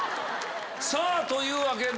さぁというわけで！